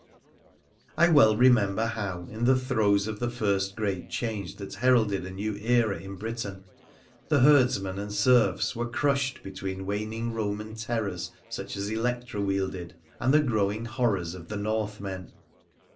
I well remember how, in the throes of the first great change that heralded a new era in Britain, the herdsmen and serfs were crushed between waning Roman terrors, such as Electra wielded, and the growing horrors of the Northmen.